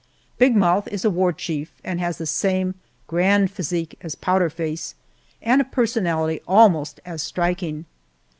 Big Mouth is a war chief, and has the same grand physique as Powder Face and a personality almost as striking.